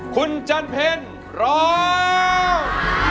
คุณจันเพลร้อง